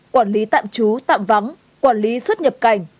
quản lý tạm trú tạm vắng quản lý xuất nhập cảnh